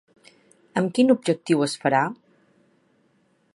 Amb quin objectiu es farà?